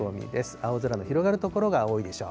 青空の広がる所が多いでしょう。